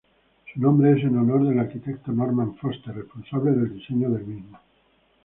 Su nombre es en honor del arquitecto Norman Foster, responsable del diseño del mismo.